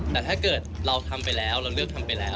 แต่ถ้าเกิดเราทำไปแล้วเราเลือกทำไปแล้ว